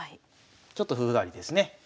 ちょっと風変わりですね。